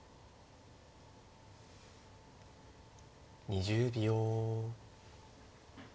２０秒。